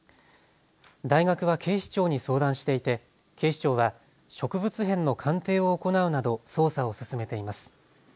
大学は警視庁に相談していて警視庁は植物片の鑑定を行うなど捜査を進めています。